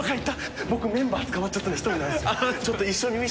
僕メンバー捕まっちゃったんで１人なんですよ。